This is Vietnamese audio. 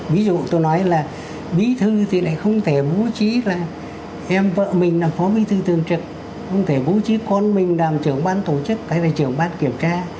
ví dụ tôi nói là bí thư thì lại không thể bố trí là xem vợ mình là phó bí thư thường trực không thể bố trí con mình làm trưởng ban tổ chức hay là trưởng ban kiểm tra